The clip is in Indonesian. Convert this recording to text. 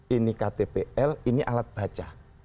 ini ktpl ini alat baca